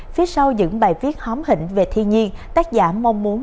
phía sau những bài viết hóm hình về thiên nhiên tác giả mong muốn